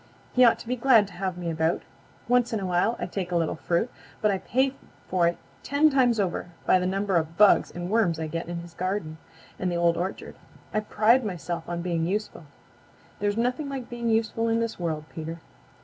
"He ought to be glad to have me about. Once in a while I take a little fruit, but I pay for it ten times over by the number of bugs and worms I get in his garden and the Old Orchard. I pride myself on being useful. There's nothing like being useful in this world, Peter."